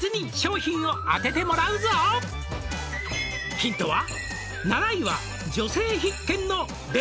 「ヒントは」